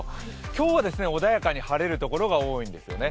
今日は穏やかに晴れる所が多いんですよね。